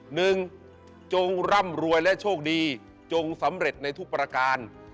หนึ่งจงร่ำรวยและโชคดีจงสำเร็จในทุกประการ